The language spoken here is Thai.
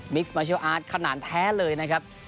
มีกซ์มัลชีวอาร์ตขนาดแท้เลยนะครับ